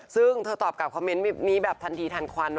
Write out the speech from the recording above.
ซึ่งเธอตอบกับคอมเมนต์นี้แบบทันทีทันควัน